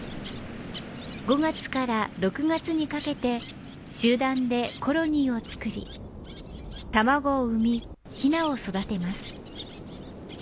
５月から６月にかけて、集団でコロニーを作り、卵を産みヒナを育てます。